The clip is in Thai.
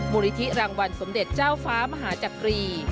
มูลนิธิรางวัลสมเด็จเจ้าฟ้ามหาจักรี